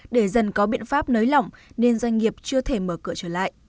để dần có biện pháp nới lỏng nên doanh nghiệp chưa thể mở cửa trở lại